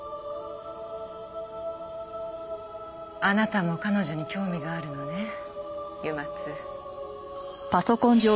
あなたも彼女に興味があるのねＵＭＡ−Ⅱ。